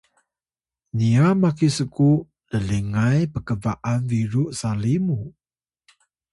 niya maki sku llingay pkba’an biru sali muw